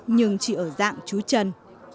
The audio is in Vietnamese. nhưng chỉ ở dạng chú chân